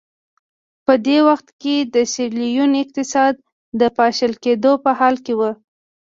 په دې وخت کې د سیریلیون اقتصاد د پاشل کېدو په حال کې و.